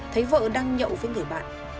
thấy vợ đang nhậu với người bạn